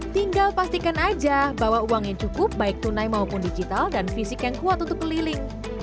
tinggal pastikan aja bawa uang yang cukup baik tunai maupun digital dan fisik yang kuat untuk keliling